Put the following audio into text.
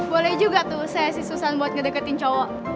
boleh juga tuh saya sih susah buat ngedeketin cowok